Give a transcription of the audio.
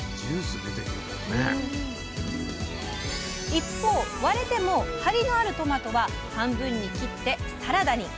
一方割れても張りのあるトマトは半分に切ってサラダに。